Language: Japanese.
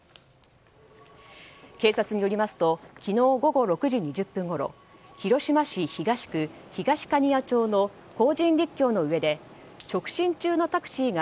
警察によりますと昨日午後６時２０分ごろ広島市広島区で荒神陸橋の上で直進中のタクシーが